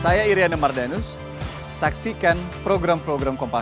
saya memang orang yang tetap berharap ada di kampus